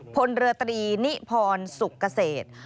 พลเรือตรีนิพรสุกเกษตร